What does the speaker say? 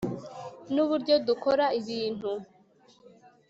nuburyo dukora ibintu.